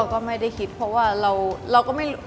ก็ไม่ได้คิดเพราะว่าเราก็ไม่รู้